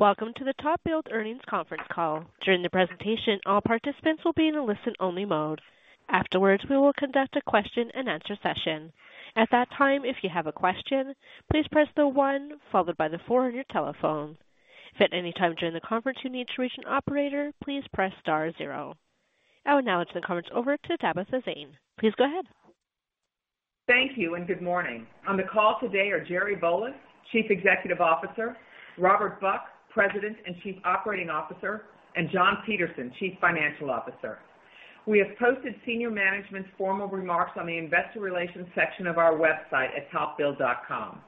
Welcome to the TopBuild Earnings Conference Call. During the presentation, all participants will be in a listen-only mode. Afterwards, we will conduct a question-and-answer session. At that time, if you have a question, please press the one followed by the four on your telephone. If at any time during the conference, you need to reach an operator, please press star zero. I will now turn the conference over to Tabitha Zane. Please go ahead. Thank you, and good morning. On the call today are Jerry Volas, Chief Executive Officer, Robert Buck, President and Chief Operating Officer, and John Peterson, Chief Financial Officer. We have posted senior management's formal remarks on the investor relations section of our website at topbuild.com.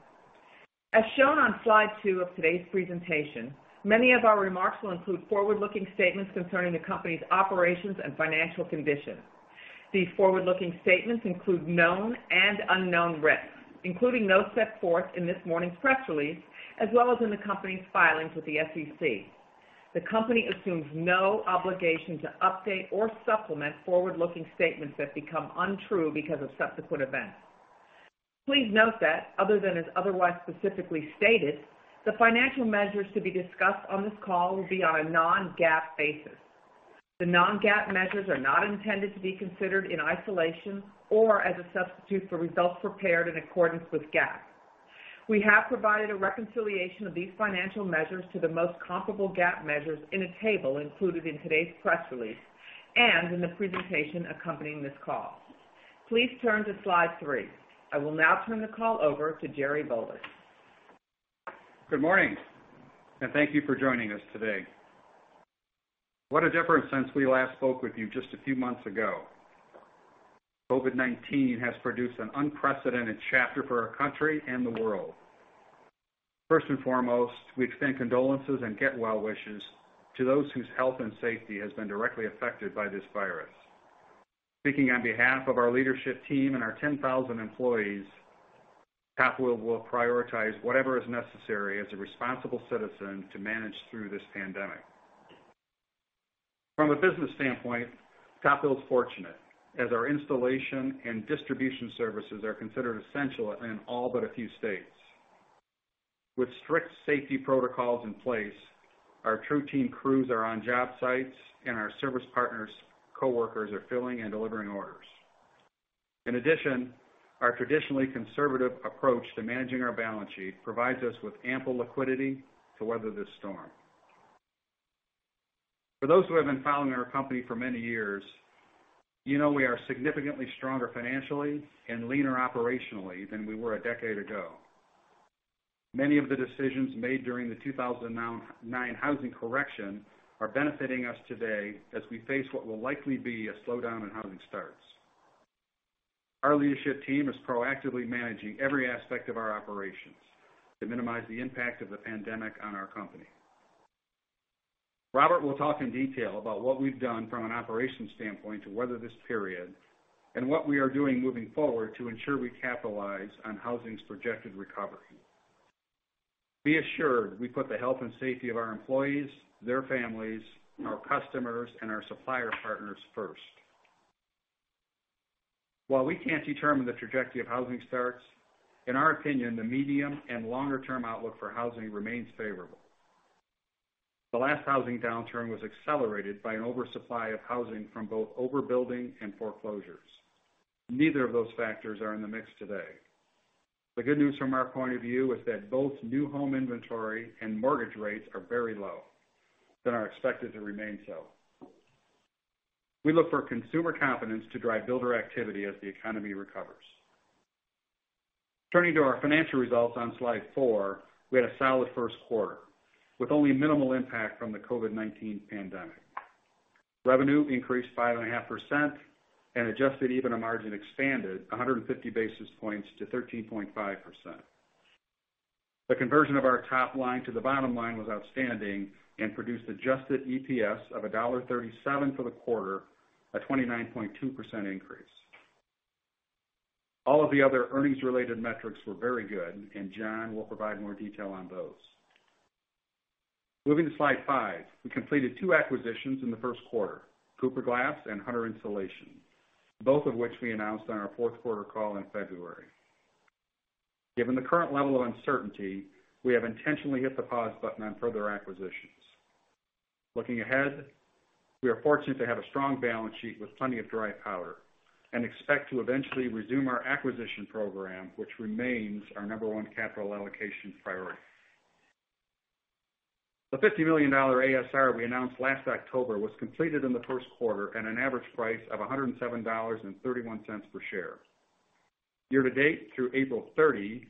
As shown on slide two of today's presentation, many of our remarks will include forward-looking statements concerning the company's operations and financial condition. These forward-looking statements include known and unknown risks, including those set forth in this morning's press release, as well as in the company's filings with the SEC. The company assumes no obligation to update or supplement forward-looking statements that become untrue because of subsequent events. Please note that other than is otherwise specifically stated, the financial measures to be discussed on this call will be on a non-GAAP basis. The non-GAAP measures are not intended to be considered in isolation or as a substitute for results prepared in accordance with GAAP. We have provided a reconciliation of these financial measures to the most comparable GAAP measures in a table included in today's press release and in the presentation accompanying this call. Please turn to slide three. I will now turn the call over to Jerry Volas. Good morning, and thank you for joining us today. What a difference since we last spoke with you just a few months ago. COVID-19 has produced an unprecedented chapter for our country and the world. First and foremost, we extend condolences and get well wishes to those whose health and safety has been directly affected by this virus. Speaking on behalf of our leadership team and our 10,000 employees, TopBuild will prioritize whatever is necessary as a responsible citizen to manage through this pandemic. From a business standpoint, TopBuild is fortunate, as our installation and distribution services are considered essential in all but a few states. With strict safety protocols in place, our TruTeam crews are on job sites, and our Service Partners' coworkers are filling and delivering orders. In addition, our traditionally conservative approach to managing our balance sheet provides us with ample liquidity to weather this storm. For those who have been following our company for many years, you know we are significantly stronger financially and leaner operationally than we were a decade ago. Many of the decisions made during the two thousand and nine housing correction are benefiting us today as we face what will likely be a slowdown in housing starts. Our leadership team is proactively managing every aspect of our operations to minimize the impact of the pandemic on our company. Robert will talk in detail about what we've done from an operations standpoint to weather this period and what we are doing moving forward to ensure we capitalize on housing's projected recovery. Be assured, we put the health and safety of our employees, their families, our customers, and our supplier partners first. While we can't determine the trajectory of housing starts, in our opinion, the medium and longer-term outlook for housing remains favorable. The last housing downturn was accelerated by an oversupply of housing from both overbuilding and foreclosures. Neither of those factors are in the mix today. The good news from our point of view is that both new home inventory and mortgage rates are very low, then are expected to remain so. We look for consumer confidence to drive builder activity as the economy recovers. Turning to our financial results on slide four, we had a solid first quarter, with only minimal impact from the COVID-19 pandemic. Revenue increased 5.5%, and Adjusted EBITDA margin expanded one hundred and fifty basis points to 13.5%. The conversion of our top line to the bottom line was outstanding and produced adjusted EPS of $1.37 for the quarter, a 29.2% increase. All of the other earnings-related metrics were very good, and John will provide more detail on those. Moving to slide five. We completed two acquisitions in the first quarter, Cooper Glass and Hunter Insulation, both of which we announced on our fourth quarter call in February. Given the current level of uncertainty, we have intentionally hit the pause button on further acquisitions. Looking ahead, we are fortunate to have a strong balance sheet with plenty of dry powder and expect to eventually resume our acquisition program, which remains our number one capital allocation priority. The $50 million ASR we announced last October was completed in the first quarter at an average price of $107.31 per share. Year to date, through April 30,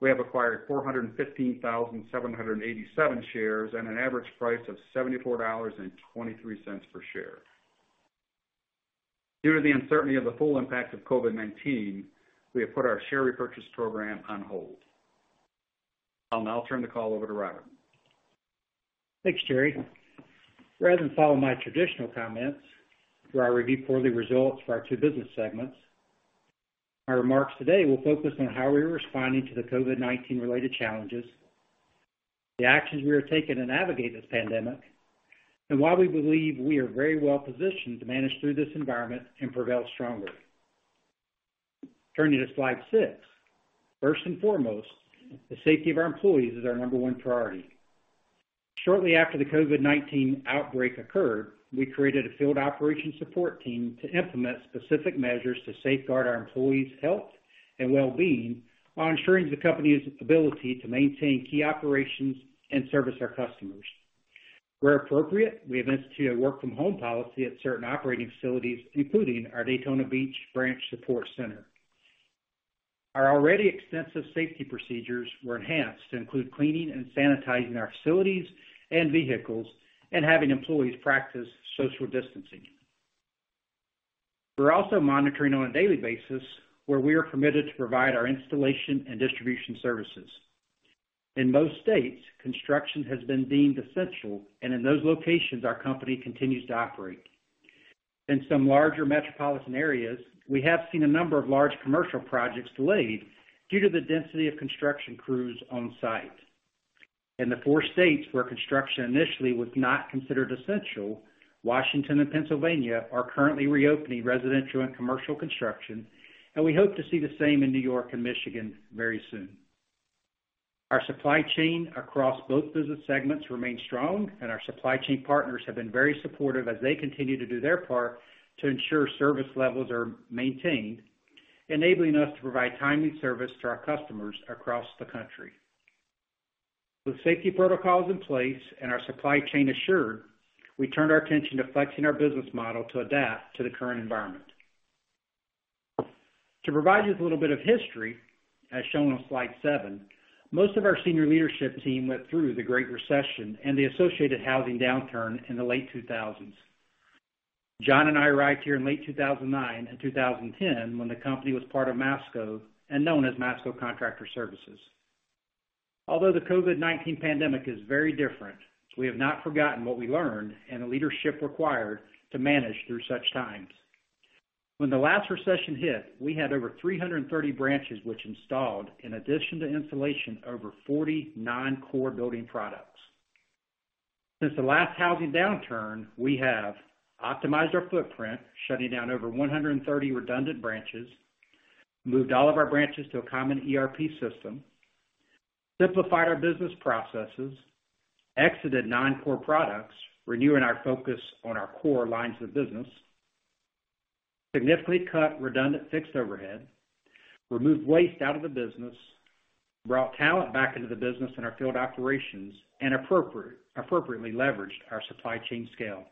we have acquired 415,787 shares at an average price of $74.23 per share. Due to the uncertainty of the full impact of COVID-19, we have put our share repurchase program on hold. I'll now turn the call over to Robert. Thanks, Jerry. Rather than follow my traditional comments through our review for the results for our two business segments, my remarks today will focus on how we are responding to the COVID-19 related challenges, the actions we are taking to navigate this pandemic, and why we believe we are very well positioned to manage through this environment and prevail stronger.... Turning to Slide six. First and foremost, the safety of our employees is our number one priority. Shortly after the COVID-19 outbreak occurred, we created a field operation support team to implement specific measures to safeguard our employees' health and well-being, while ensuring the company's ability to maintain key operations and service our customers. Where appropriate, we have instituted a work-from-home policy at certain operating facilities, including our Daytona Beach Branch Support Center. Our already extensive safety procedures were enhanced to include cleaning and sanitizing our facilities and vehicles, and having employees practice social distancing. We're also monitoring on a daily basis where we are permitted to provide our installation and distribution services. In most states, construction has been deemed essential, and in those locations, our company continues to operate. In some larger metropolitan areas, we have seen a number of large commercial projects delayed due to the density of construction crews on site. In the four states where construction initially was not considered essential, Washington and Pennsylvania are currently reopening residential and commercial construction, and we hope to see the same in New York and Michigan very soon. Our supply chain across both business segments remains strong, and our supply chain partners have been very supportive as they continue to do their part to ensure service levels are maintained, enabling us to provide timely service to our customers across the country. With safety protocols in place and our supply chain assured, we turned our attention to flexing our business model to adapt to the current environment. To provide you with a little bit of history, as shown on slide seven, most of our senior leadership team went through the Great Recession and the associated housing downturn in the late 2000s. John and I arrived here in late 2009 and 2010 when the company was part of Masco and known as Masco Contractor Services. Although the COVID-19 pandemic is very different, we have not forgotten what we learned and the leadership required to manage through such times. When the last recession hit, we had over 330 branches which installed, in addition to installation, over 49 core building products. Since the last housing downturn, we have optimized our footprint, shutting down over one hundred and thirty redundant branches, moved all of our branches to a common ERP system, simplified our business processes, exited non-core products, renewing our focus on our core lines of business, significantly cut redundant fixed overhead, removed waste out of the business, brought talent back into the business in our field operations, and appropriately leveraged our supply chain scale.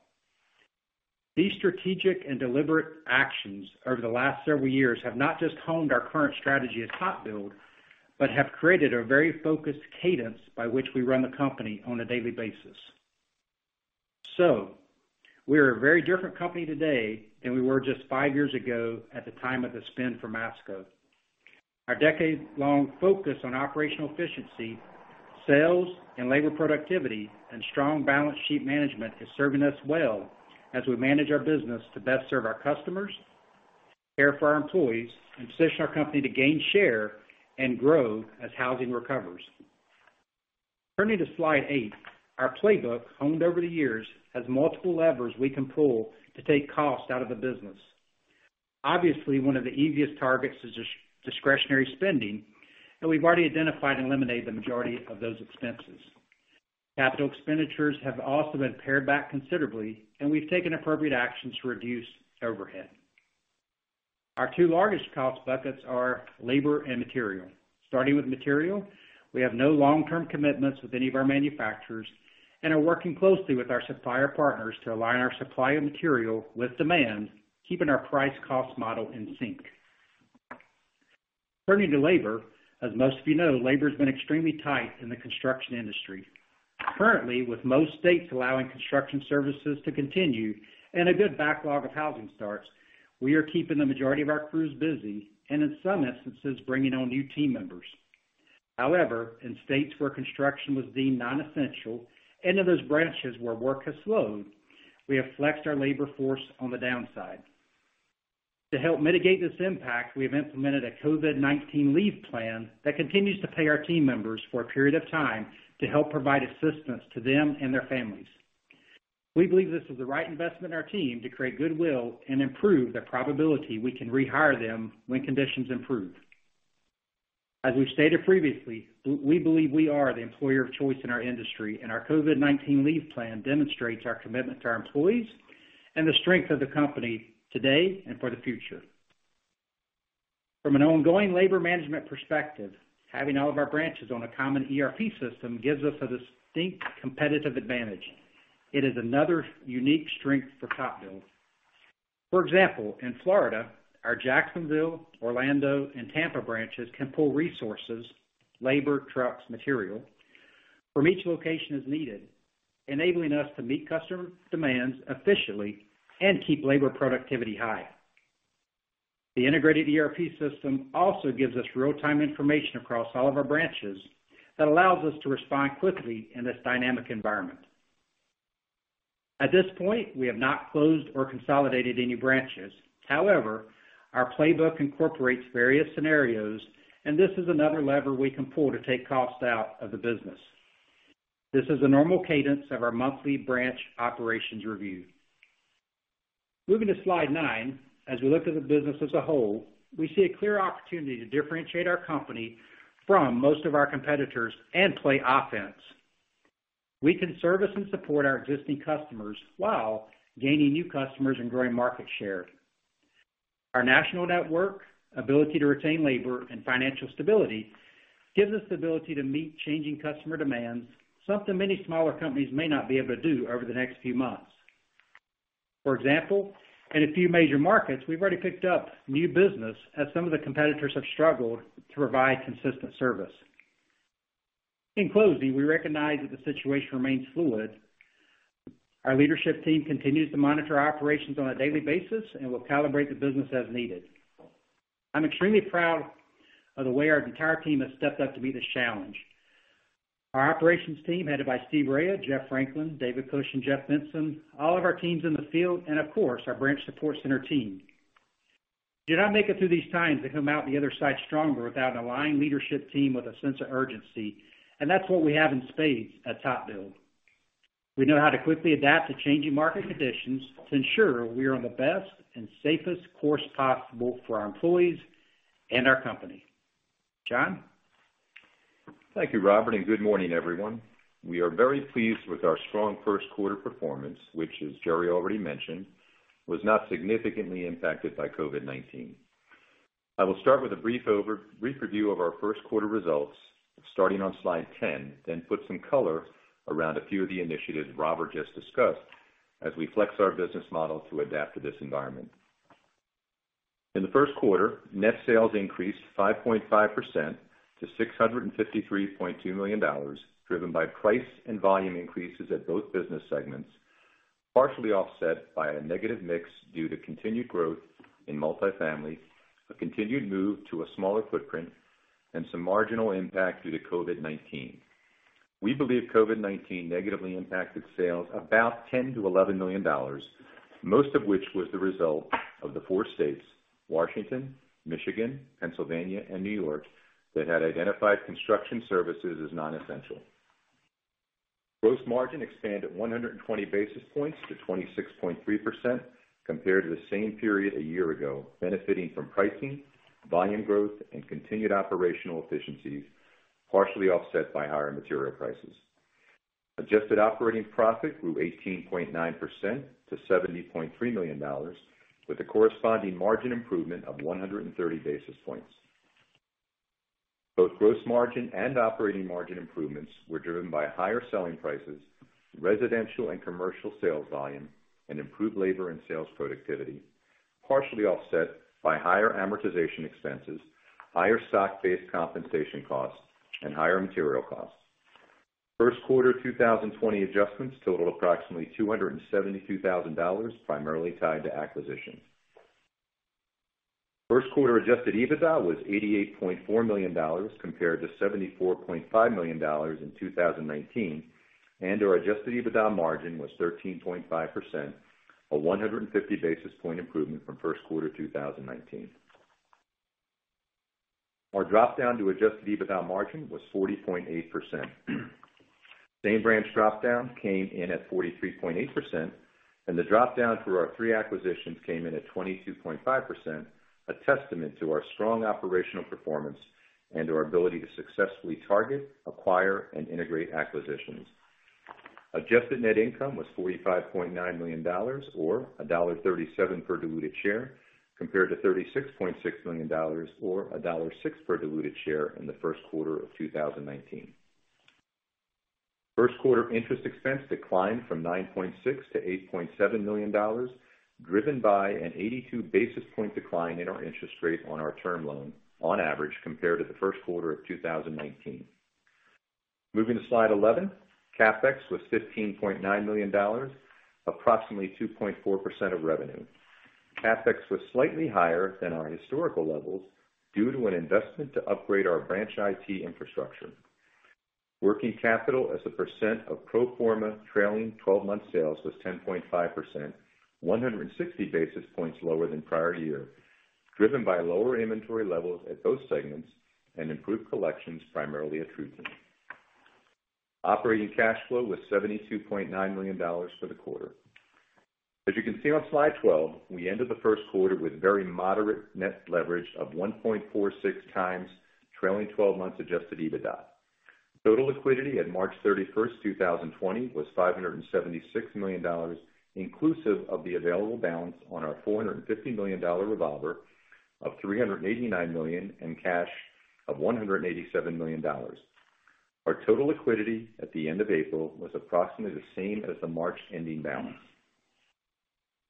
These strategic and deliberate actions over the last several years have not just honed our current strategy at TopBuild, but have created a very focused cadence by which we run the company on a daily basis. So we are a very different company today than we were just five years ago at the time of the spin from Masco. Our decade-long focus on operational efficiency, sales, and labor productivity, and strong balance sheet management is serving us well as we manage our business to best serve our customers, care for our employees, and position our company to gain share and grow as housing recovers. Turning to Slide eight, our playbook, honed over the years, has multiple levers we can pull to take cost out of the business. Obviously, one of the easiest targets is discretionary spending, and we've already identified and eliminated the majority of those expenses. Capital expenditures have also been pared back considerably, and we've taken appropriate actions to reduce overhead. Our two largest cost buckets are labor and material. Starting with material, we have no long-term commitments with any of our manufacturers and are working closely with our supplier partners to align our supply of material with demand, keeping our price cost model in sync. Turning to labor, as most of you know, labor has been extremely tight in the construction industry. Currently, with most states allowing construction services to continue and a good backlog of housing starts, we are keeping the majority of our crews busy and in some instances, bringing on new team members. However, in states where construction was deemed non-essential and in those branches where work has slowed, we have flexed our labor force on the downside. To help mitigate this impact, we have implemented a COVID-19 leave plan that continues to pay our team members for a period of time to help provide assistance to them and their families. We believe this is the right investment in our team to create goodwill and improve the probability we can rehire them when conditions improve. As we've stated previously, we believe we are the employer of choice in our industry, and our COVID-19 leave plan demonstrates our commitment to our employees and the strength of the company today and for the future. From an ongoing labor management perspective, having all of our branches on a common ERP system gives us a distinct competitive advantage. It is another unique strength for TopBuild. For example, in Florida, our Jacksonville, Orlando, and Tampa branches can pull resources, labor, trucks, material from each location as needed, enabling us to meet customer demands efficiently and keep labor productivity high. The integrated ERP system also gives us real-time information across all of our branches that allows us to respond quickly in this dynamic environment. At this point, we have not closed or consolidated any branches. However, our playbook incorporates various scenarios, and this is another lever we can pull to take costs out of the business... This is a normal cadence of our monthly branch operations review. Moving to Slide nine, as we look at the business as a whole, we see a clear opportunity to differentiate our company from most of our competitors and play offense. We can service and support our existing customers while gaining new customers and growing market share. Our national network, ability to retain labor, and financial stability gives us the ability to meet changing customer demands, something many smaller companies may not be able to do over the next few months. For example, in a few major markets, we've already picked up new business as some of the competitors have struggled to provide consistent service. In closing, we recognize that the situation remains fluid. Our leadership team continues to monitor our operations on a daily basis, and we'll calibrate the business as needed. I'm extremely proud of the way our entire team has stepped up to meet this challenge. Our operations team, headed by Steve Raia, Jeff Franklin, David Kush, and Jeff Vienneau, all of our teams in the field, and of course, our branch support center team. You do not make it through these times and come out the other side stronger without an aligned leadership team with a sense of urgency, and that's what we have in spades at TopBuild. We know how to quickly adapt to changing market conditions to ensure we are on the best and safest course possible for our employees and our company. John? Thank you, Robert, and good morning, everyone. We are very pleased with our strong first quarter performance, which, as Jerry already mentioned, was not significantly impacted by COVID-19. I will start with a brief review of our first quarter results, starting on Slide 10, then put some color around a few of the initiatives Robert just discussed as we flex our business model to adapt to this environment. In the first quarter, net sales increased 5.5% to $653.2 million, driven by price and volume increases at both business segments, partially offset by a negative mix due to continued growth in multifamily, a continued move to a smaller footprint, and some marginal impact due to COVID-19. We believe COVID-19 negatively impacted sales about $10-$11 million, most of which was the result of the four states, Washington, Michigan, Pennsylvania, and New York, that had identified construction services as non-essential. Gross margin expanded 120 basis points to 26.3% compared to the same period a year ago, benefiting from pricing, volume growth, and continued operational efficiencies, partially offset by higher material prices. Adjusted operating profit grew 18.9% to $70.3 million, with a corresponding margin improvement of 130 basis points. Both gross margin and operating margin improvements were driven by higher selling prices, residential and commercial sales volume, and improved labor and sales productivity, partially offset by higher amortization expenses, higher stock-based compensation costs, and higher material costs. First quarter 2020 adjustments totaled approximately $272,000, primarily tied to acquisitions. First quarter adjusted EBITDA was $88.4 million, compared to $74.5 million in 2019, and our adjusted EBITDA margin was 13.5%, a 150 basis point improvement from first quarter 2019. Our dropdown to adjusted EBITDA margin was 40.8%. Same branch dropdown came in at 43.8%, and the dropdown through our three acquisitions came in at 22.5%, a testament to our strong operational performance and our ability to successfully target, acquire, and integrate acquisitions. Adjusted net income was $45.9 million, or $1.37 per diluted share, compared to $36.6 million, or $1.06 per diluted share in the first quarter of 2019. First quarter interest expense declined from $9.6 million to $8.7 million, driven by an 82 basis points decline in our interest rate on our term loan on average compared to the first quarter of 2019. Moving to Slide 11, CapEx was $15.9 million, approximately 2.4% of revenue. CapEx was slightly higher than our historical levels due to an investment to upgrade our branch IT infrastructure. Working capital as a percent of pro forma trailing twelve-month sales was 10.5%, 160 basis points lower than prior year, driven by lower inventory levels at both segments and improved collections, primarily at TruTeam. Operating cash flow was $72.9 million for the quarter. As you can see on Slide 12, we ended the first quarter with very moderate net leverage of 1.46 times, trailing twelve months Adjusted EBITDA. Total liquidity at March 31, 2020, was $576 million, inclusive of the available balance on our $450 million revolver of $389 million, and cash of $187 million. Our total liquidity at the end of April was approximately the same as the March ending balance.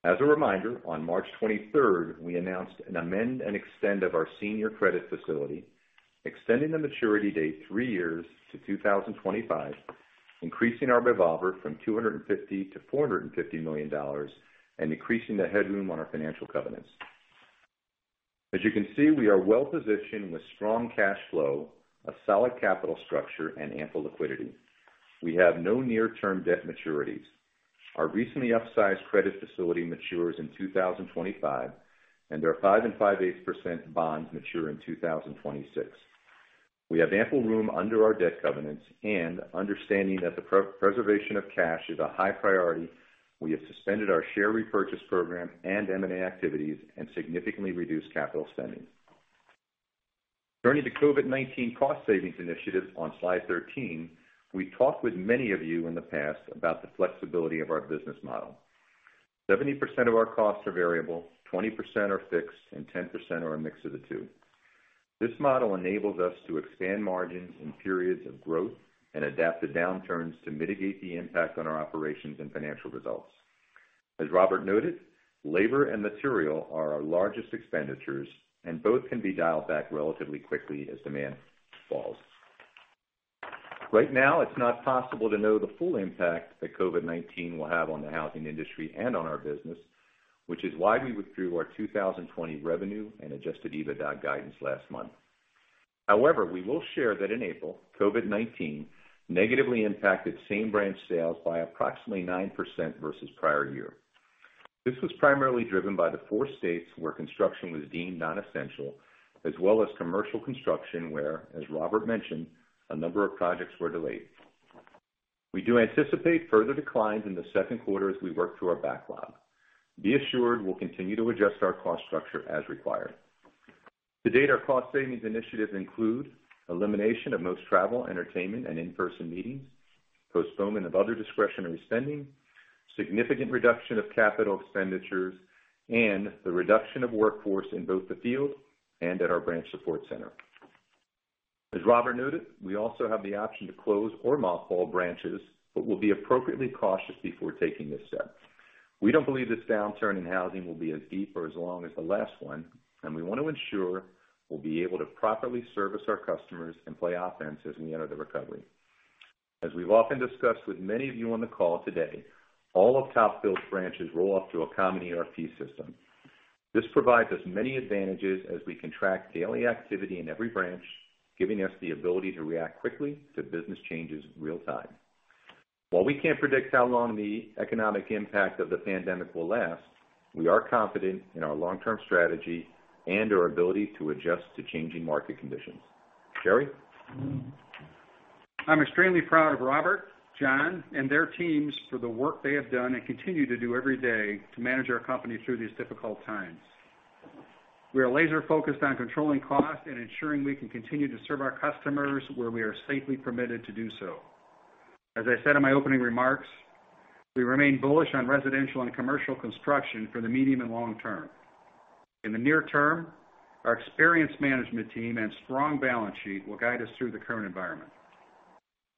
As a reminder, on March twenty-third, we announced an amend and extend of our senior credit facility, extending the maturity date three years to 2025, increasing our revolver from $250 million to $450 million, and increasing the headroom on our financial covenants. As you can see, we are well-positioned with strong cash flow, a solid capital structure, and ample liquidity. We have no near-term debt maturities. Our recently upsized credit facility matures in 2025, and our 5 5/8% bonds mature in 2026. We have ample room under our debt covenants, and understanding that the preservation of cash is a high priority, we have suspended our share repurchase program and M&A activities, and significantly reduced capital spending. Turning to COVID-19 cost savings initiatives on slide 13, we've talked with many of you in the past about the flexibility of our business model. 70% of our costs are variable, 20% are fixed, and 10% are a mix of the two. This model enables us to expand margins in periods of growth and adapt to downturns to mitigate the impact on our operations and financial results. As Robert noted, labor and material are our largest expenditures, and both can be dialed back relatively quickly as demand falls. Right now, it's not possible to know the full impact that COVID-19 will have on the housing industry and on our business, which is why we withdrew our 2020 revenue and Adjusted EBITDA guidance last month. However, we will share that in April, COVID-19 negatively impacted same branch sales by approximately 9% versus prior year. This was primarily driven by the four states where construction was deemed non-essential, as well as commercial construction, where, as Robert mentioned, a number of projects were delayed. We do anticipate further declines in the second quarter as we work through our backlog. Be assured, we'll continue to adjust our cost structure as required. To date, our cost savings initiatives include elimination of most travel, entertainment, and in-person meetings, postponement of other discretionary spending, significant reduction of capital expenditures, and the reduction of workforce in both the field and at our branch support center. As Robert noted, we also have the option to close or mothball branches, but we'll be appropriately cautious before taking this step. We don't believe this downturn in housing will be as deep or as long as the last one, and we want to ensure we'll be able to properly service our customers and play offense as we enter the recovery. As we've often discussed with many of you on the call today, all of TopBuild's branches roll off to a common ERP system. This provides us many advantages as we can track daily activity in every branch, giving us the ability to react quickly to business changes in real time. While we can't predict how long the economic impact of the pandemic will last, we are confident in our long-term strategy and our ability to adjust to changing market conditions. Jerry? I'm extremely proud of Robert, John, and their teams for the work they have done and continue to do every day to manage our company through these difficult times. We are laser-focused on controlling costs and ensuring we can continue to serve our customers where we are safely permitted to do so. As I said in my opening remarks, we remain bullish on residential and commercial construction for the medium and long term. In the near term, our experienced management team and strong balance sheet will guide us through the current environment,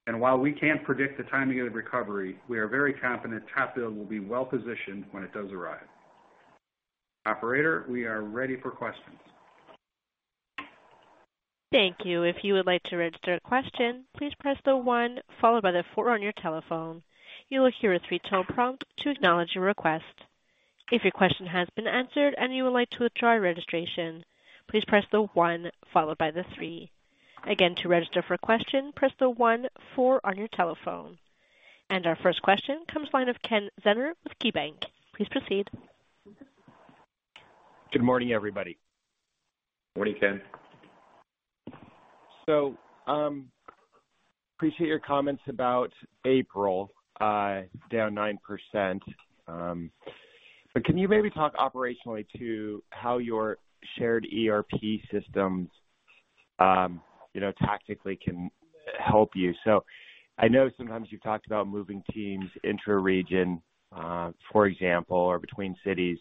and while we can't predict the timing of the recovery, we are very confident TopBuild will be well-positioned when it does arrive. Operator, we are ready for questions. Thank you. If you would like to register a question, please press the one followed by the four on your telephone. You will hear a three-tone prompt to acknowledge your request. If your question has been answered and you would like to withdraw your registration, please press the one followed by the three. Again, to register for a question, press the one, four on your telephone. And our first question comes from the line of Ken Zener with KeyBanc. Please proceed. Good morning, everybody. Morning, Ken. Appreciate your comments about April, down 9%. But can you maybe talk operationally to how your shared ERP systems, you know, tactically can help you? So I know sometimes you've talked about moving teams inter-region, for example, or between cities,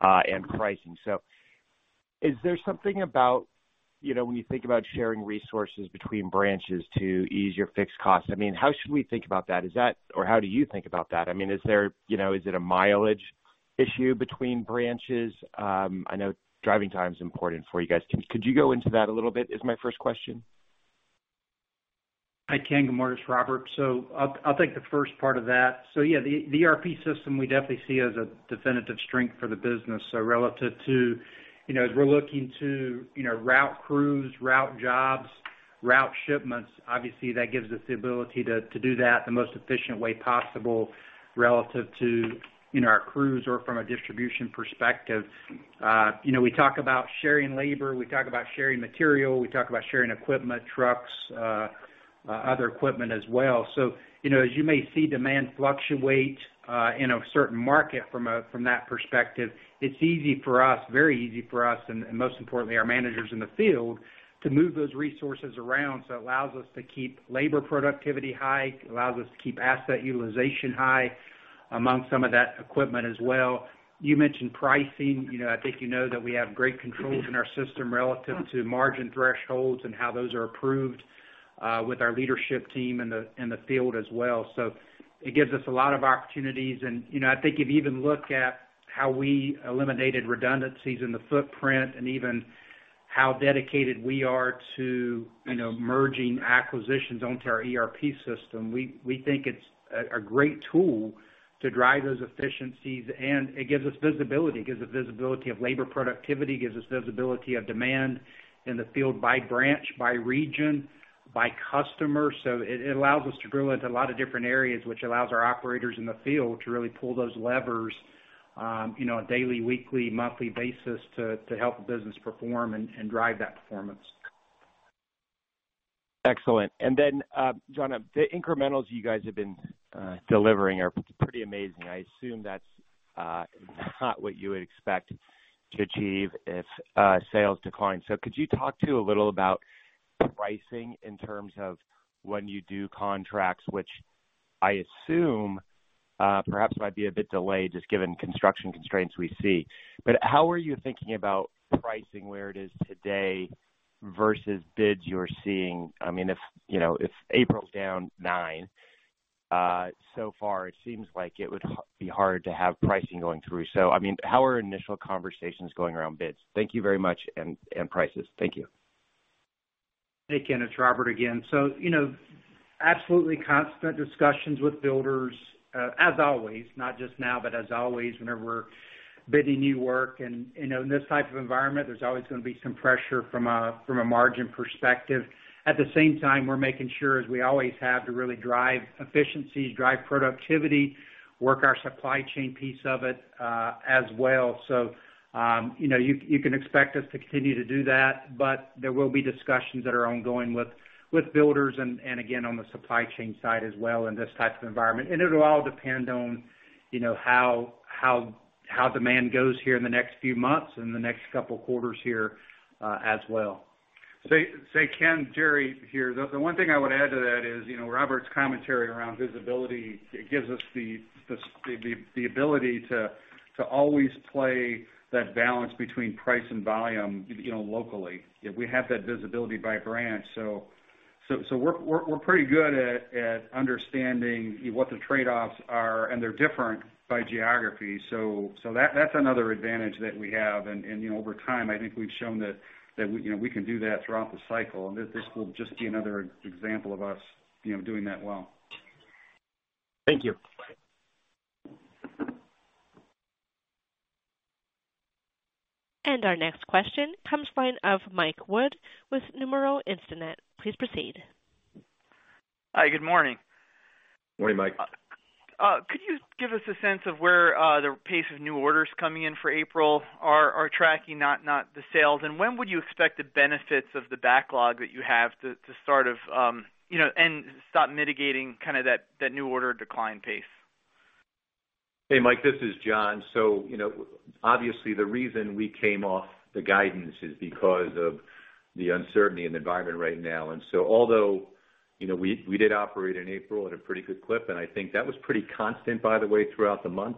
and pricing. So is there something about, you know, when you think about sharing resources between branches to ease your fixed costs, I mean, how should we think about that? Is that or how do you think about that? I mean, is there, you know, is it a mileage issue between branches? I know driving time is important for you guys. Could you go into that a little bit? Is my first question? Hi, Ken. Good morning, it's Robert. So I'll take the first part of that. So, yeah, the ERP system, we definitely see as a definitive strength for the business. So relative to, you know, as we're looking to, you know, route crews, route jobs, route shipments, obviously, that gives us the ability to do that the most efficient way possible, relative to, you know, our crews or from a distribution perspective. You know, we talk about sharing labor, we talk about sharing material, we talk about sharing equipment, trucks, other equipment as well. So, you know, as you may see demand fluctuate in a certain market from that perspective, it's easy for us, very easy for us, and most importantly, our managers in the field, to move those resources around. So it allows us to keep labor productivity high, it allows us to keep asset utilization high among some of that equipment as well. You mentioned pricing. You know, I think you know that we have great controls in our system relative to margin thresholds and how those are approved with our leadership team in the field as well. So it gives us a lot of opportunities. And, you know, I think if you even look at how we eliminated redundancies in the footprint and even how dedicated we are to, you know, merging acquisitions onto our ERP system, we think it's a great tool to drive those efficiencies, and it gives us visibility. It gives us visibility of labor productivity, gives us visibility of demand in the field by branch, by region, by customer. So it allows us to drill into a lot of different areas, which allows our operators in the field to really pull those levers.... you know, a daily, weekly, monthly basis to help the business perform and drive that performance. Excellent. And then, John, the incrementals you guys have been delivering are pretty amazing. I assume that's not what you would expect to achieve if sales decline. So could you talk a little about pricing in terms of when you do contracts, which I assume perhaps might be a bit delayed, just given construction constraints we see. But how are you thinking about pricing where it is today versus bids you're seeing? I mean, if, you know, if April's down nine, so far, it seems like it would be hard to have pricing going through. So I mean, how are initial conversations going around bids? Thank you very much, and prices. Thank you. Hey, Ken, it's Robert again. So, you know, absolutely constant discussions with builders, as always, not just now, but as always, whenever we're bidding new work. And, you know, in this type of environment, there's always going to be some pressure from a margin perspective. At the same time, we're making sure, as we always have, to really drive efficiency, drive productivity, work our supply chain piece of it, as well. So, you can expect us to continue to do that, but there will be discussions that are ongoing with builders and, again, on the supply chain side as well, in this type of environment. And it'll all depend on, you know, how demand goes here in the next few months and the next couple of quarters here, as well. Ken, Jerry here. The one thing I would add to that is, you know, Robert's commentary around visibility. It gives us the ability to always play that balance between price and volume, you know, locally, if we have that visibility by branch. So, we're pretty good at understanding what the trade-offs are, and they're different by geography. So, that's another advantage that we have. And, you know, over time, I think we've shown that, we, you know, we can do that throughout the cycle, and this will just be another example of us, you know, doing that well. Thank you. Our next question comes from the line of Mike Wood with Nomura Instinet. Please proceed. Hi, good morning. Morning, Mike. Could you give us a sense of where the pace of new orders coming in for April are tracking, not the sales? And when would you expect the benefits of the backlog that you have to start to, you know, and stop mitigating kind of that new order decline pace? Hey, Mike, this is John. So, you know, obviously, the reason we came off the guidance is because of the uncertainty in the environment right now. And so although, you know, we did operate in April at a pretty good clip, and I think that was pretty constant, by the way, throughout the month.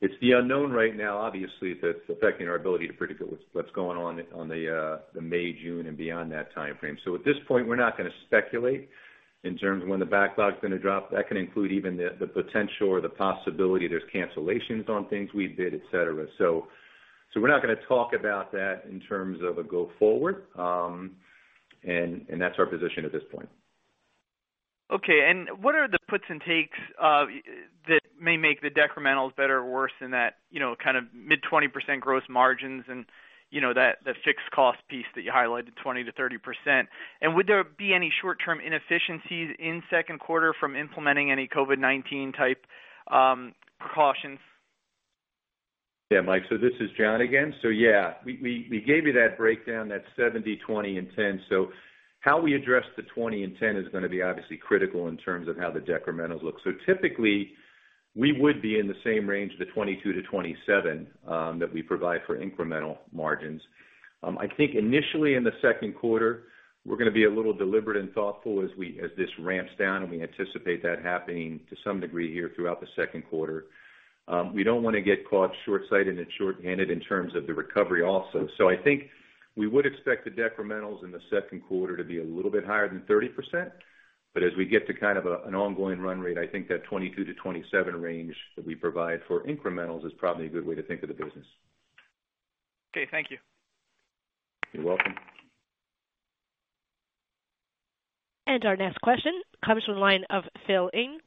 It's the unknown right now, obviously, that's affecting our ability to predict what's going on, on the May, June, and beyond that timeframe. So at this point, we're not going to speculate in terms of when the backlog is going to drop. That can include even the potential or the possibility there's cancellations on things we bid, et cetera. So we're not going to talk about that in terms of a go forward, and that's our position at this point. Okay. And what are the puts and takes that may make the decrementals better or worse than that, you know, kind of mid-20% gross margins and, you know, that, the fixed cost piece that you highlighted, 20%-30%? And would there be any short-term inefficiencies in second quarter from implementing any COVID-19 type precautions? Yeah, Mike, so this is John again. So yeah, we gave you that breakdown, that 70, 20, and 10. So how we address the 20 and 10 is going to be obviously critical in terms of how the decrementals look. So typically, we would be in the same range, the 22-27, that we provide for incremental margins. I think initially in the second quarter, we're going to be a little deliberate and thoughtful as this ramps down, and we anticipate that happening to some degree here throughout the second quarter. We don't want to get caught shortsighted and short-handed in terms of the recovery also. So I think we would expect the decrementals in the second quarter to be a little bit higher than 30%. But as we get to kind of an ongoing run rate, I think that 22-27 range that we provide for incrementals is probably a good way to think of the business. Okay, thank you. You're welcome. And our next question comes from the line of Phil Ng.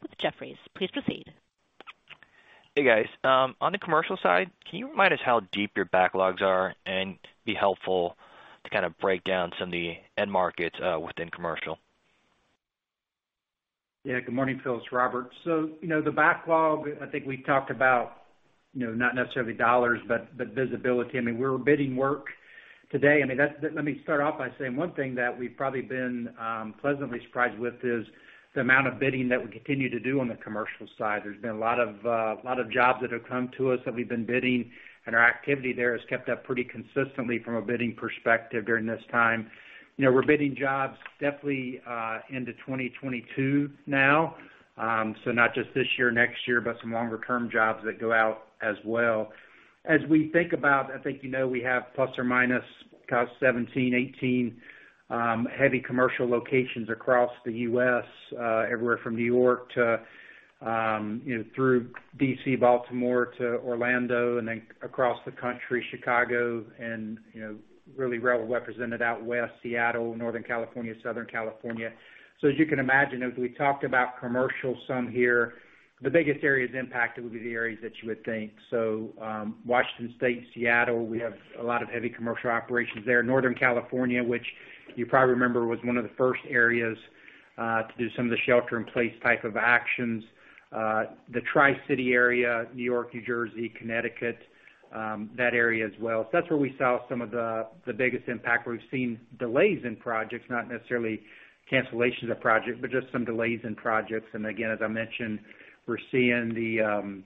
Please proceed. Hey, guys. On the commercial side, can you remind us how deep your backlogs are and be helpful to kind of break down some of the end markets, within commercial? Yeah, good morning, Phil, it's Robert. So, you know, the backlog, I think we talked about, you know, not necessarily dollars, but visibility. I mean, we're bidding work today. I mean, let me start off by saying one thing that we've probably been pleasantly surprised with is the amount of bidding that we continue to do on the commercial side. There's been a lot of jobs that have come to us that we've been bidding, and our activity there has kept up pretty consistently from a bidding perspective during this time. You know, we're bidding jobs definitely into 2022 now. So not just this year, next year, but some longer-term jobs 'that go out as well. As we think about, I think, you know, we have plus or minus about seventeen, eighteen, heavy commercial locations across the US, everywhere from New York to, you know, through DC, Baltimore, to Orlando, and then across the country, Chicago and, you know, really well represented out West, Seattle, Northern California, Southern California. So as you can imagine, as we talked about commercial some here, the biggest areas impacted would be the areas that you would think. So, Washington State, Seattle, we have a lot of heavy commercial operations there. Northern California, which you probably remember, was one of the first areas, to do some of the shelter-in-place type of actions. The Tri-City area, New York, New Jersey, Connecticut, that area as well. So that's where we saw some of the biggest impact, where we've seen delays in projects, not necessarily cancellations of projects, but just some delays in projects. And again, as I mentioned, we're seeing the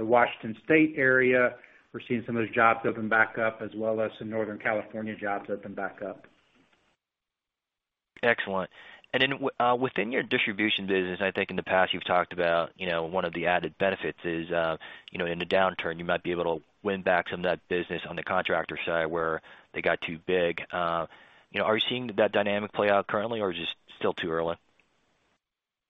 Washington State area, we're seeing some of those jobs open back up, as well as some Northern California jobs open back up. Excellent. And then within your distribution business, I think in the past, you've talked about, you know, one of the added benefits is, you know, in the downturn, you might be able to win back some of that business on the contractor side where they got too big. You know, are you seeing that dynamic play out currently, or is this still too early?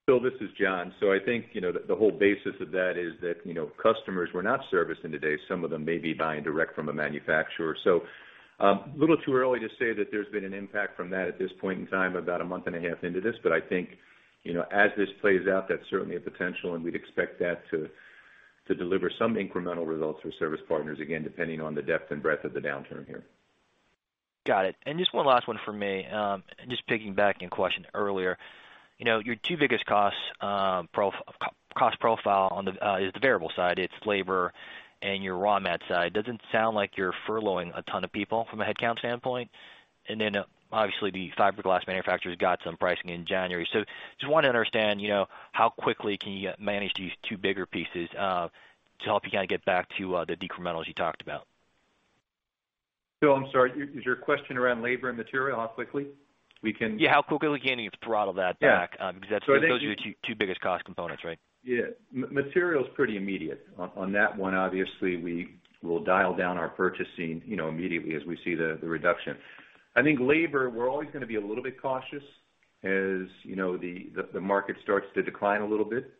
Phil, this is John. So I think, you know, the whole basis of that is that, you know, customers were not servicing today. Some of them may be buying direct from a manufacturer. So, a little too early to say that there's been an impact from that at this point in time, about a month and a half into this. But I think, you know, as this plays out, that's certainly a potential, and we'd expect that to deliver some incremental results for Service Partners, again, depending on the depth and breadth of the downturn here. Got it. And just one last one for me. And just piggybacking a question earlier, you know, your two biggest costs, cost profile on the variable side, it's labor and your raw mat side. Doesn't sound like you're furloughing a ton of people from a headcount standpoint. And then, obviously, the fiberglass manufacturers got some pricing in January. So just wanted to understand, you know, how quickly can you manage these two bigger pieces to help you kind of get back to the decrementals you talked about? Bill, I'm sorry. Is your question around labor and material, how quickly we can- Yeah, how quickly can you throttle that back? Yeah. Because those are the two biggest cost components, right? Yeah. Material is pretty immediate. On that one, obviously, we will dial down our purchasing, you know, immediately as we see the reduction. I think labor, we're always going to be a little bit cautious as, you know, the market starts to decline a little bit.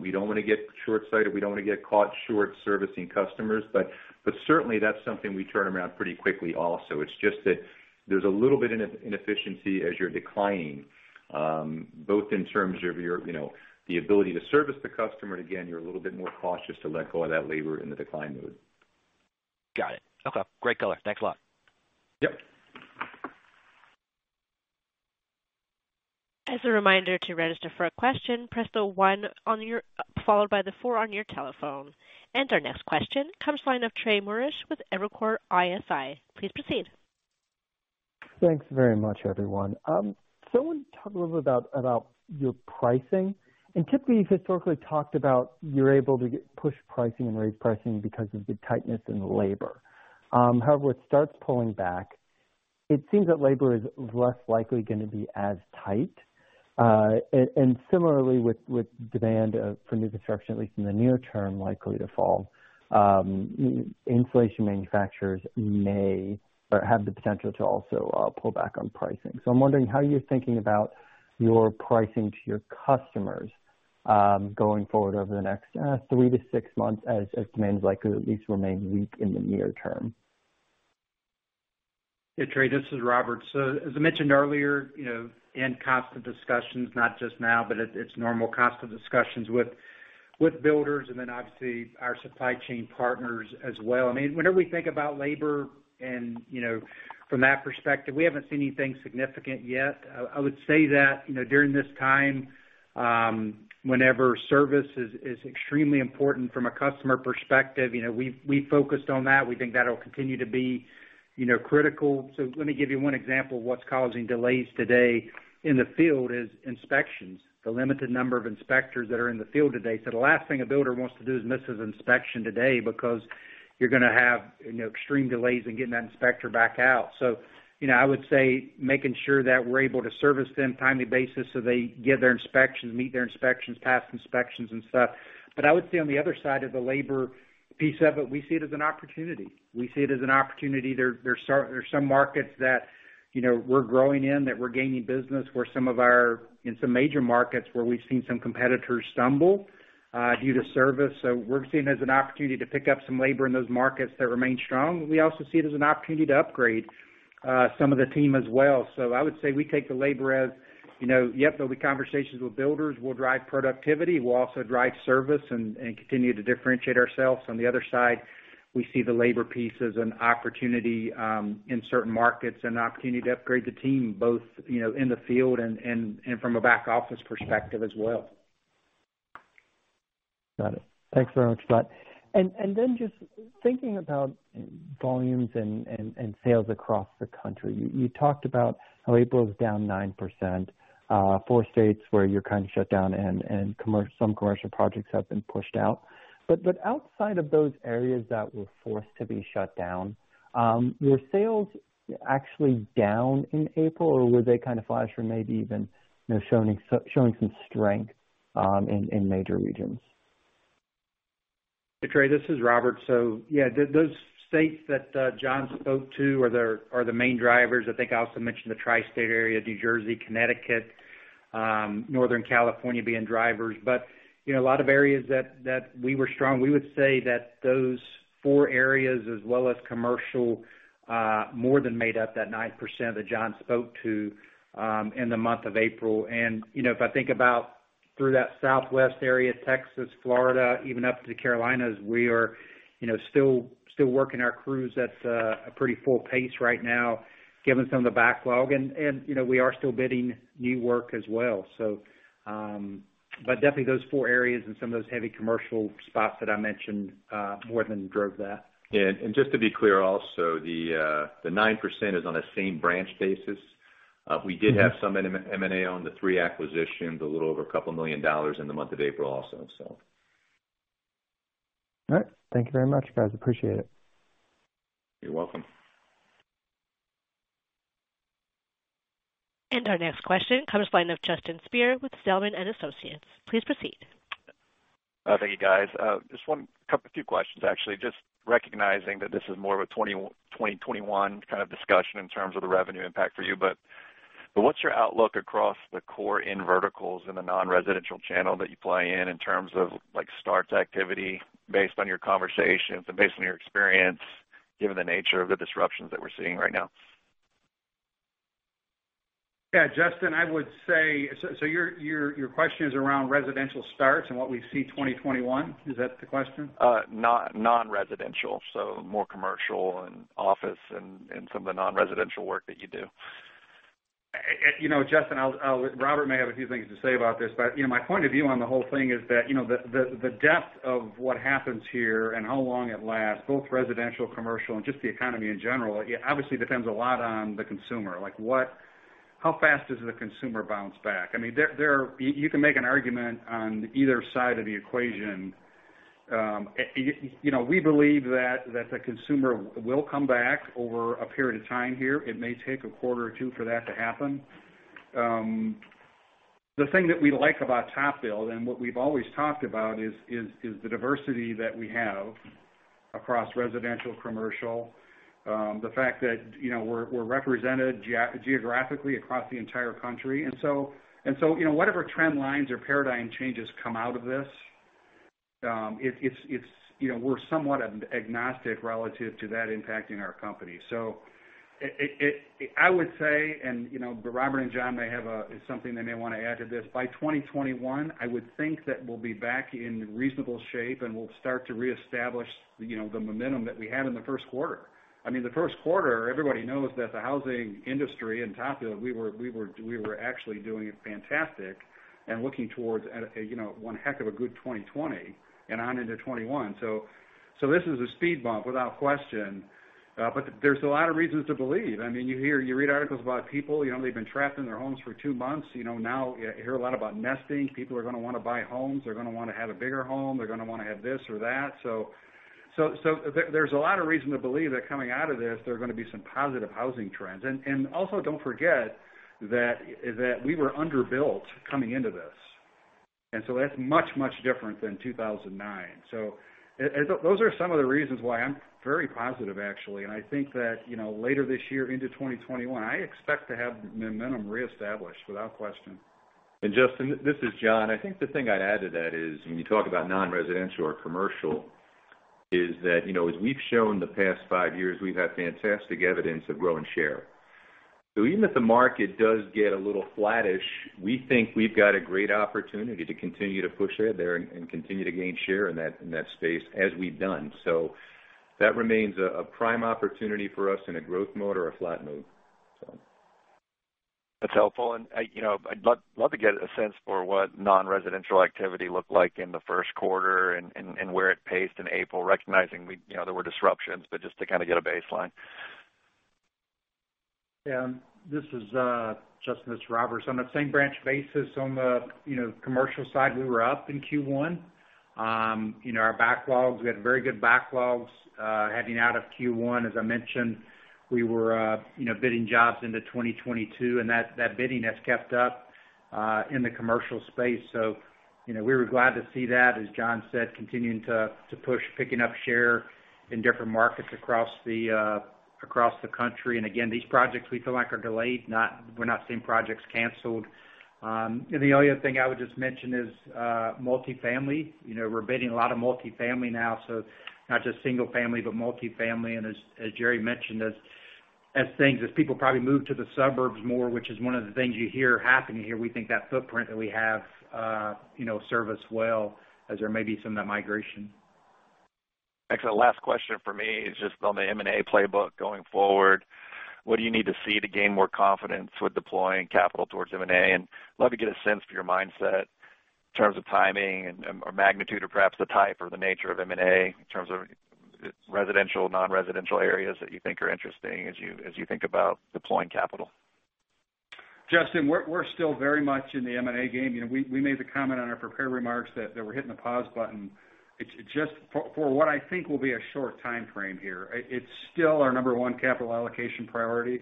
We don't want to get shortsighted, we don't want to get caught short servicing customers, but certainly, that's something we turn around pretty quickly also. It's just that there's a little bit inefficiency as you're declining, both in terms of your, you know, the ability to service the customer, and again, you're a little bit more cautious to let go of that labor in the decline mode. Got it. Okay, great color. Thanks a lot. Yep. As a reminder, to register for a question, press the one on your telephone followed by the four on your telephone. Our next question comes from the line of Trey Morrish with Evercore ISI. Please proceed. Thanks very much, everyone. So I want to talk a little bit about your pricing, and typically, you've historically talked about you're able to get push pricing and raise pricing because of the tightness in the labor. However, it starts pulling back, it seems that labor is less likely going to be as tight, and similarly, with demand for new construction, at least in the near term, likely to fall, insulation manufacturers may or have the potential to also pull back on pricing, so I'm wondering, how are you thinking about your pricing to your customers going forward over the next three to six months, as demand is likely to at least remain weak in the near term? Hey, Trey, this is Robert. So as I mentioned earlier, you know, in constant discussions, not just now, but it's normal constant discussions with builders and then obviously our supply chain partners as well. I mean, whenever we think about labor and, you know, from that perspective, we haven't seen anything significant yet. I would say that, you know, during this time, whenever service is extremely important from a customer perspective, you know, we've focused on that. We think that'll continue to be, you know, critical. So let me give you one example of what's causing delays today in the field is inspections, the limited number of inspectors that are in the field today. So the last thing a builder wants to do is miss his inspection today because you're going to have, you know, extreme delays in getting that inspector back out. So, you know, I would say making sure that we're able to service them timely basis, so they get their inspections, meet their inspections, pass inspections and stuff. But I would say on the other side of the labor piece of it, we see it as an opportunity. We see it as an opportunity. There's some markets that, you know, we're growing in, that we're gaining business, in some major markets where we've seen some competitors stumble due to service. So we're seeing it as an opportunity to pick up some labor in those markets that remain strong. We also see it as an opportunity to upgrade some of the team as well. So I would say we take the labor as, you know, yep, there'll be conversations with builders. We'll drive productivity. We'll also drive service and continue to differentiate ourselves. On the other side, we see the labor piece as an opportunity in certain markets and an opportunity to upgrade the team, both, you know, in the field and from a back office perspectiv as well. Got it. Thanks very much, Scott. And then just thinking about volumes and sales across the country, you talked about how April was down 9%, four states where you're kind of shut down and some commercial projects have been pushed out. But outside of those areas that were forced to be shut down, were sales actually down in April, or were they kind of flatter or maybe even, you know, showing some strength in major regions? Hey, Trey, this is Robert. So yeah, those states that John spoke to are the main drivers. I think I also mentioned the tri-state area, New Jersey, Connecticut, Northern California being drivers. But, you know, a lot of areas that we were strong, we would say that those four areas, as well as commercial, more than made up that 9% that John spoke to in the month of April. And, you know, if I think about through that southwest area, Texas, Florida, even up to the Carolinas, we are, you know, still working our crews at a pretty full pace right now, given some of the backlog. And, you know, we are still bidding new work as well, so... But definitely those four areas and some of those heavy commercial spots that I mentioned, more than drove that. Yeah, and just to be clear also, the 9% is on a same branch basis. We did have some M&A on the three acquisitions, a little over $2 million in the month of April also, so. All right. Thank you very much, guys. Appreciate it. You're welcome. Our next question comes by line of Justin Speer with Zelman & Associates. Please proceed. Thank you, guys. Just a couple of questions, actually. Just recognizing that this is more of a 2021 kind of discussion in terms of the revenue impact for you, but what's your outlook across the core end verticals in the non-residential channel that you play in, in terms of, like, starts activity based on your conversations and based on your experience, given the nature of the disruptions that we're seeing right now? Yeah, Justin, I would say. So, your question is around residential starts and what we see 2021? Is that the question? Non-residential, so more commercial and office and some of the non-residential work that you do. You know, Justin, I'll—Robert may have a few things to say about this, but, you know, my point of view on the whole thing is that, you know, the depth of what happens here and how long it lasts, both residential, commercial, and just the economy in general, it obviously depends a lot on the consumer. Like, what—how fast does the consumer bounce back? I mean, you can make an argument on either side of the equation. You know, we believe that the consumer will come back over a period of time here. It may take a quarter or two for that to happen. The thing that we like about TopBuild, and what we've always talked about, is the diversity that we have across residential, commercial, the fact that, you know, we're represented geographically across the entire country. And so, you know, whatever trend lines or paradigm changes come out of this, it's. You know, we're somewhat agnostic relative to that impacting our company. So. I would say, and, you know, Robert and John may have something they may want to add to this, by twenty twenty-one, I would think that we'll be back in reasonable shape, and we'll start to reestablish, you know, the momentum that we had in the first quarter. I mean, the first quarter, everybody knows that the housing industry and TopBuild, we were actually doing fantastic and looking forward to a, you know, one heck of a good 2020 and on into 2021. So, this is a speed bump, without question, but there's a lot of reasons to believe. I mean, you hear, you read articles about people, you know, they've been trapped in their homes for two months. You know, now you hear a lot about nesting. People are gonna wanna buy homes. They're gonna wanna have a bigger home. They're gonna wanna have this or that. So, there, there's a lot of reasons to believe that coming out of this, there are gonna be some positive housing trends. Also don't forget that we were underbuilt coming into this, and so that's much, much different than two thousand and nine. So those are some of the reasons why I'm very positive, actually. And I think that, you know, later this year into twenty twenty-one, I expect to have momentum reestablished, without question. Justin, this is John. I think the thing I'd add to that is, when you talk about non-residential or commercial, is that, you know, as we've shown the past five years, we've had fantastic evidence of growing share. So even if the market does get a little flattish, we think we've got a great opportunity to continue to push it there and continue to gain share in that space, as we've done. So that remains a prime opportunity for us in a growth mode or a flat mode, so. That's helpful, and I, you know, I'd love to get a sense for what non-residential activity looked like in the first quarter and where it paced in April, recognizing we, you know, there were disruptions, but just to kind of get a baseline. Yeah. This is, Justin, this is Robert. So on the same branch basis, on the, you know, commercial side, we were up in Q1. You know, our backlogs, we had very good backlogs, heading out of Q1. As I mentioned, we were, you know, bidding jobs into twenty twenty-two, and that, that bidding has kept up, in the commercial space. So, you know, we were glad to see that, as John said, continuing to, to push, picking up share in different markets across the, across the country. And again, these projects we feel like are delayed, not - we're not seeing projects canceled. And the only other thing I would just mention is, multifamily. You know, we're bidding a lot of multifamily now, so not just single family, but multifamily. As Jerry mentioned, as things, as people probably move to the suburbs more, which is one of the things you hear happening here, we think that footprint that we have, you know, serve us well as there may be some of that migration. Excellent. Last question for me is just on the M&A playbook going forward. What do you need to see to gain more confidence with deploying capital towards M&A? And love to get a sense for your mindset in terms of timing and, or magnitude or perhaps the type or the nature of M&A in terms of residential, non-residential areas that you think are interesting as you think about deploying capital. Justin, we're still very much in the M&A game. You know, we made the comment on our prepared remarks that we're hitting the pause button. It's just for what I think will be a short timeframe here. It's still our number one capital allocation priority.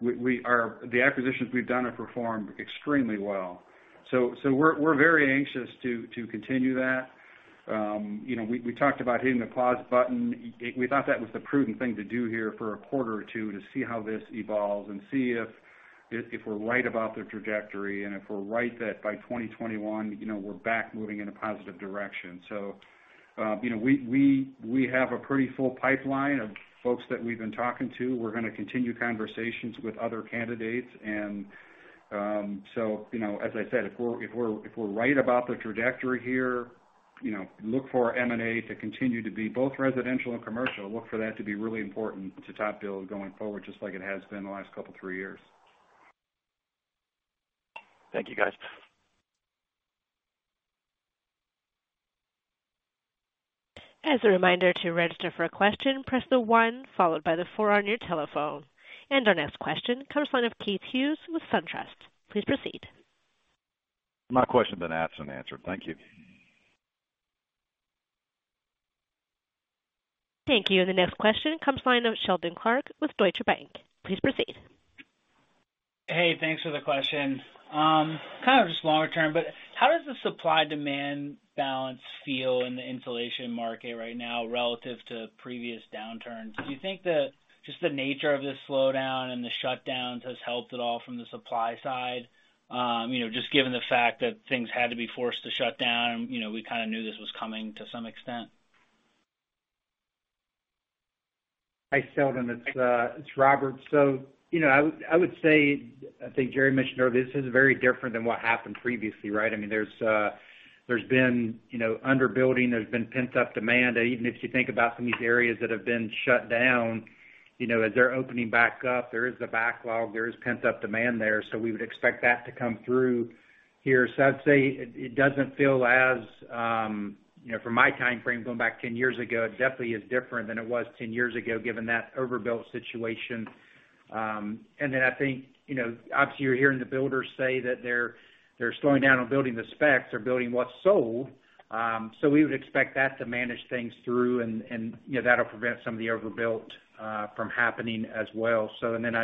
The acquisitions we've done have performed extremely well, so we're very anxious to continue that. You know, we talked about hitting the pause button. We thought that was the prudent thing to do here for a quarter or two, to see how this evolves and see if we're right about the trajectory and if we're right that by twenty twenty-one, you know, we're back moving in a positive direction, so you know, we have a pretty full pipeline of folks that we've been talking to. We're gonna continue conversations with other candidates, and, so, you know, as I said, if we're right about the trajectory here, you know, look for our M&A to continue to be, both residential and commercial, look for that to be really important to TopBuild going forward, just like it has been the last couple, three years. Thank you, guys. ...As a reminder, to register for a question, press the one followed by the four on your telephone. And our next question comes from the line of Keith Hughes with SunTrust. Please proceed. My question's been asked and answered. Thank you. Thank you. The next question comes from the line of Seldon Clarke with Deutsche Bank. Please proceed. Hey, thanks for the question. Kind of just longer term, but how does the supply-demand balance feel in the insulation market right now relative to previous downturns? Do you think that just the nature of this slowdown and the shutdowns has helped at all from the supply side? You know, just given the fact that things had to be forced to shut down, and, you know, we kind of knew this was coming to some extent. Hi, Seldon, it's Robert. So, you know, I would say, I think Jerry mentioned earlier, this is very different than what happened previously, right? I mean, there's been, you know, underbuilding, there's been pent-up demand. Even if you think about some of these areas that have been shut down, you know, as they're opening back up, there is a backlog, there is pent-up demand there, so we would expect that to come through here. So I'd say it doesn't feel as, you know, from my timeframe, going back ten years ago, it definitely is different than it was ten years ago, given that overbuilt situation. And then I think, you know, obviously, you're hearing the builders say that they're slowing down on building the specs. They're building what's sold. So we would expect that to manage things through and, you know, that'll prevent some of the overbuilt from happening as well. So, and then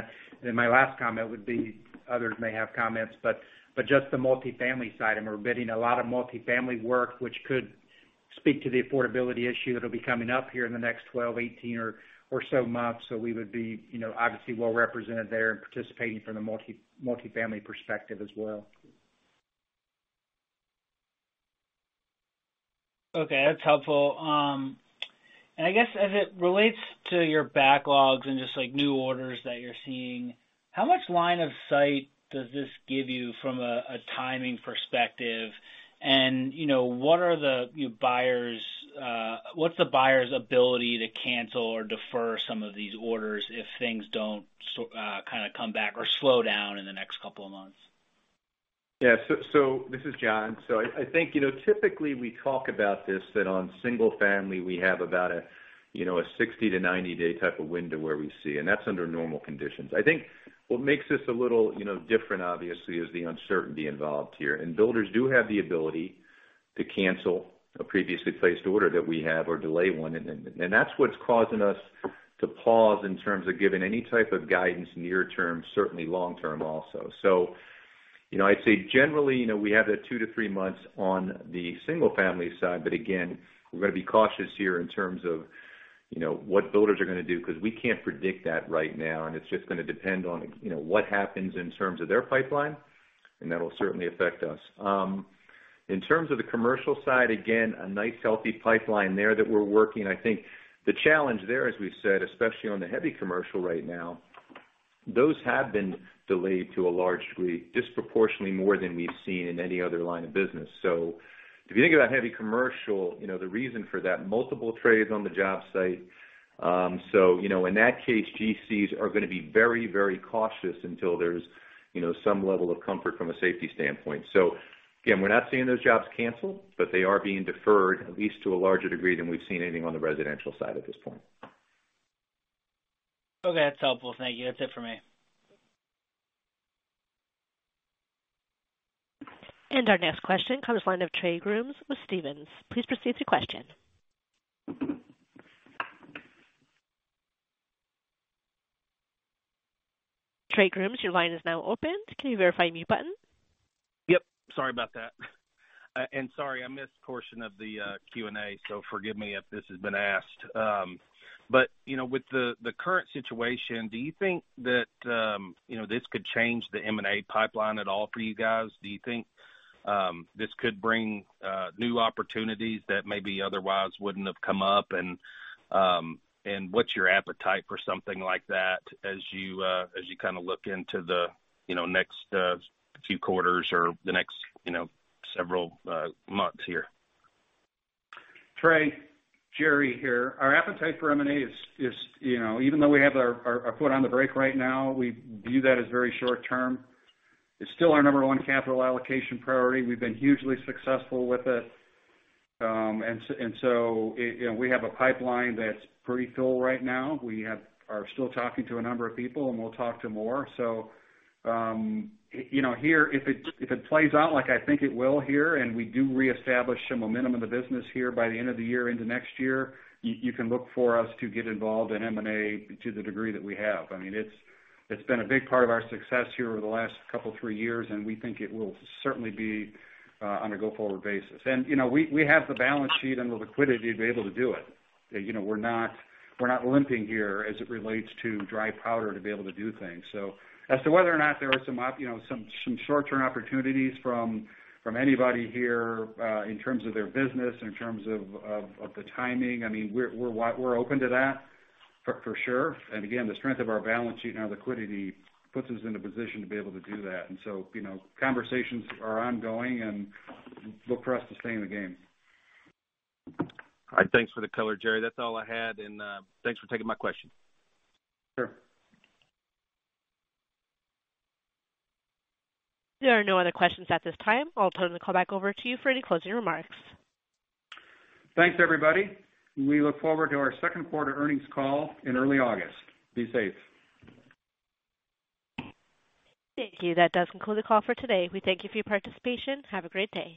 my last comment would be, others may have comments, but just the multifamily side, and we're bidding a lot of multifamily work, which could speak to the affordability issue that'll be coming up here in the next 12, 18 or so months. So we would be, you know, obviously well represented there and participating from the multifamily perspective as well. Okay, that's helpful. And I guess as it relates to your backlogs and just, like, new orders that you're seeing, how much line of sight does this give you from a timing perspective? And, you know, what are the, you know, buyers, what's the buyer's ability to cancel or defer some of these orders if things don't kind of come back or slow down in the next couple of months? Yeah, so this is John. So I think, you know, typically we talk about this, that on single family, we have about a, you know, a 60- to 90-day type of window where we see, and that's under normal conditions. I think what makes this a little, you know, different, obviously, is the uncertainty involved here. And builders do have the ability to cancel a previously placed order that we have or delay one, and that's what's causing us to pause in terms of giving any type of guidance near term, certainly long term also. You know, I'd say generally, you know, we have that two to three months on the single family side, but again, we're going to be cautious here in terms of, you know, what builders are going to do, because we can't predict that right now, and it's just going to depend on, you know, what happens in terms of their pipeline, and that'll certainly affect us. In terms of the commercial side, again, a nice, healthy pipeline there that we're working. I think the challenge there, as we've said, especially on the heavy commercial right now, those have been delayed to a large degree, disproportionately more than we've seen in any other line of business. If you think about heavy commercial, you know the reason for that, multiple trades on the job site. So, you know, in that case, GCs are going to be very, very cautious until there's, you know, some level of comfort from a safety standpoint. So again, we're not seeing those jobs canceled, but they are being deferred, at least to a larger degree than we've seen anything on the residential side at this point. Okay, that's helpful. Thank you. That's it for me. And our next question comes from the line of Trey Grooms with Stephens. Please proceed with your question. Trey Grooms, your line is now open. Can you verify your mute button? Yep, sorry about that. And sorry, I missed a portion of the Q&A, so forgive me if this has been asked. But, you know, with the current situation, do you think that, you know, this could change the M&A pipeline at all for you guys? Do you think this could bring new opportunities that maybe otherwise wouldn't have come up? And what's your appetite for something like that as you kind of look into the, you know, next few quarters or the next, you know, several months here? Trey, Jerry here. Our appetite for M&A is, you know, even though we have our foot on the brake right now, we view that as very short term. It's still our number one capital allocation priority. We've been hugely successful with it. And so, you know, we have a pipeline that's pretty full right now. We are still talking to a number of people, and we'll talk to more. So, you know, here, if it plays out like I think it will here, and we do reestablish the momentum of the business here by the end of the year into next year, you can look for us to get involved in M&A to the degree that we have. I mean, it's, it's been a big part of our success here over the last couple, three years, and we think it will certainly be on a go-forward basis. And, you know, we, we have the balance sheet and the liquidity to be able to do it. You know, we're not, we're not limping here as it relates to dry powder to be able to do things. So as to whether or not there are some you know, some short-term opportunities from anybody here in terms of their business, in terms of the timing, I mean, we're open to that, for sure. And again, the strength of our balance sheet and our liquidity puts us in a position to be able to do that. And so, you know, conversations are ongoing, and look for us to stay in the game. All right, thanks for the color, Jerry. That's all I had, and thanks for taking my question. Sure. There are no other questions at this time. I'll turn the call back over to you for any closing remarks. Thanks, everybody. We look forward to our second quarter earnings call in early August. Be safe. Thank you. That does conclude the call for today. We thank you for your participation. Have a great day.